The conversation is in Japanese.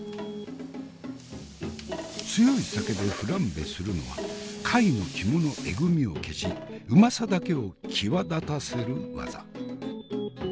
強い酒でフランベするのは貝の肝のえぐみを消しうまさだけを際立たせる技。